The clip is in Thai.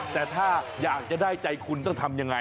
แต่ถ้าอยากจะได้ใจคุณต้องทำยังไง